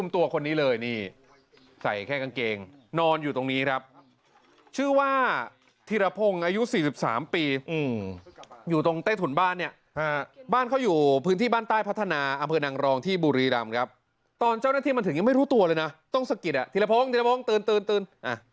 ตอนเจ้านักที่มันถึงยังไม่รู้ตัวเลยนะต้องสะกิดอ่ะธีรพงธีรพงตื่นตื่นตื่นอ่ะ